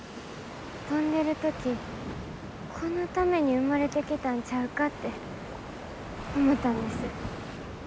飛んでる時このために生まれてきたんちゃうかって思ったんです。